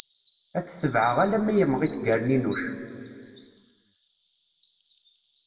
Ad t-tebɛeɣ alamma imɣi-d gerninuc.